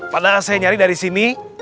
padahal saya nyari dari sini